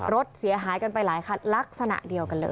รถเสียหายกันไปหลายคันลักษณะเดียวกันเลย